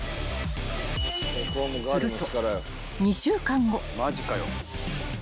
［すると］